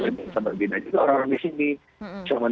kita berbina juga orang orang di sini cuma ini